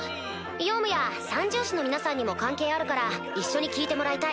ヨウムや三獣士の皆さんにも関係あるから一緒に聞いてもらいたい。